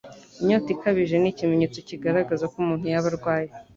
Inyota ikabije ni ikimenyetso kigaragaza ko umuntu yaba arwaye